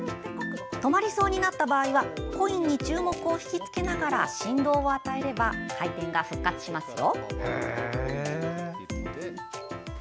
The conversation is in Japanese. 止まりそうになった場合はコインに注目を引きつけながら振動を与えれば回転が復活しますよ。